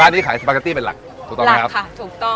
อันนี้ขายสปาเกตตี้เป็นหลักถูกต้องไหมครับค่ะถูกต้อง